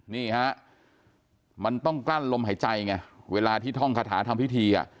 นี่ฮะมันต้องกลั้นลมหายใจไงเวลาที่ท่องคาถาทำพิธีอ่ะ